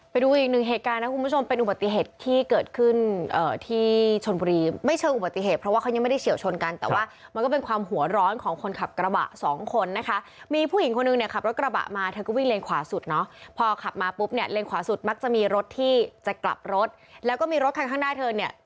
ไปดูอีกหนึ่งเหตุการณ์นะคุณผู้ชมเป็นอุบัติเหตุที่เกิดขึ้นที่ชนบุรีไม่เชิงอุบัติเหตุเพราะว่าเขายังไม่ได้เฉียวชนกันแต่ว่ามันก็เป็นความหัวร้อนของคนขับกระบะสองคนนะคะมีผู้หญิงคนหนึ่งเนี่ยขับรถกระบะมาเธอก็วิ่งเลนขวาสุดเนาะพอขับมาปุ๊บเนี่ยเลนขวาสุดมักจะมีรถที่จะกลับรถแล้วก็มีรถคันข้างหน้าเธอเนี่ย